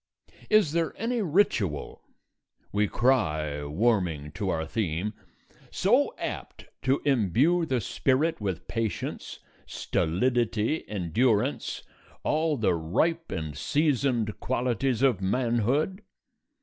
Is there any ritual (we cry, warming to our theme) so apt to imbue the spirit with patience, stolidity, endurance, all the ripe and seasoned qualities of manhood?